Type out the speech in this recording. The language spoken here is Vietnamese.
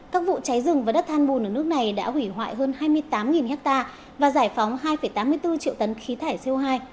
các vụ cháy rừng và đất than bùn ở nước này đã hủy hoại hơn hai mươi tám ha và giải phóng hai tám mươi bốn triệu tấn khí thải co hai